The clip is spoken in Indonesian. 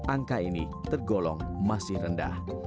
angka ini tergolong masih rendah